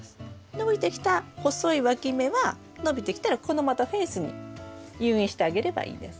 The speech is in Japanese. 伸びてきた細いわき芽は伸びてきたらこのまたフェンスに誘引してあげればいいです。